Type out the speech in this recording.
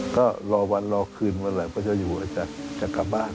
ก็รอวันรอคืนวันไหล่พระเจ้าอยู่แล้วจะกลับบ้าน